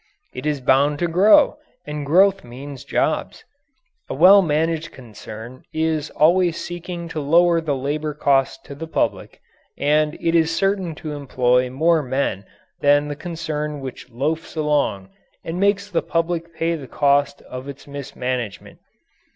It is bound to grow, and growth means jobs. A well managed concern is always seeking to lower the labour cost to the public; and it is certain to employ more men than the concern which loafs along and makes the public pay the cost of its mismanagement.